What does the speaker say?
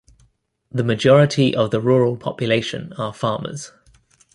The majority of the rural population are farmers.